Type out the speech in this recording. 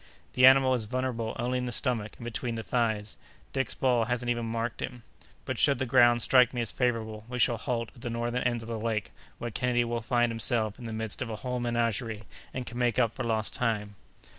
"The animal is vulnerable only in the stomach and between the thighs. Dick's ball hasn't even marked him; but should the ground strike me as favorable, we shall halt at the northern end of the lake, where Kennedy will find himself in the midst of a whole menagerie, and can make up for lost time."